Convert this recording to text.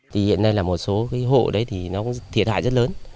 thì hiện nay là một số cái hộ đấy thì nó thiệt hại rất lớn